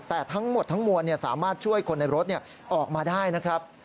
แต่ทั้งหมดทั้งมวลสามารถช่วยคนในรถออกมาได้นะครับ